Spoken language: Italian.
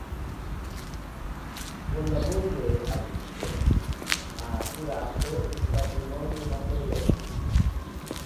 Con la moglie Alix ha curato il patrimonio napoleonico.